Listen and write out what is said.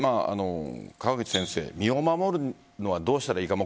身を守るのはどうしたらいいか。